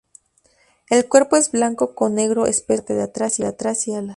El cuerpo es blanco con negro espeso en la parte de atrás y alas.